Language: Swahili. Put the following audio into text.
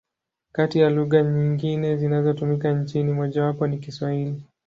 Kati ya lugha nyingine zinazotumika nchini, mojawapo ni Kiswahili.